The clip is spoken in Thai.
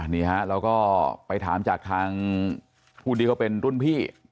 นี่ฮะเราก็ไปถามจากทางผู้ที่เขาเป็นรุ่นพี่